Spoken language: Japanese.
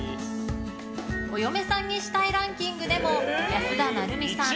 お嫁さんにしたいランキングでも安田成美さん